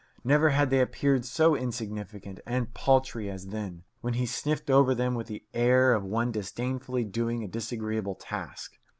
Never had they appeared so insignificant and paltry as then, when he sniffed over them with the air of one disdainfully doing a disagreeable task.